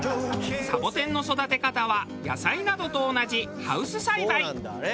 サボテンの育て方は野菜などと同じハウス栽培。